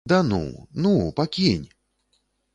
Да ну, ну, пакінь!